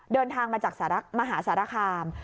เดินทางมาจากมหาสารคาม